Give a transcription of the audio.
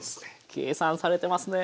計算されてますね。